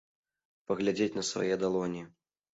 Паглядзець на свае далоні.